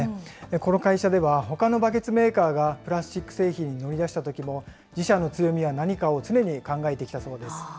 この会社では、ほかのバケツメーカーがプラスチック製品に乗り出したときも、自社の強みは何かを常に考えてきたそうです。